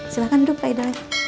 silahkan duk pak idoy